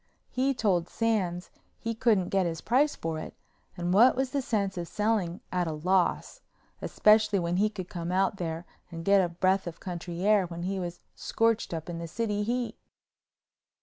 He told Sands he couldn't get his price for it and what was the sense of selling at a loss, especially when he could come out there and get a breath of country air when he was scorched up with the city heat?